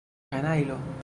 Kanajlo!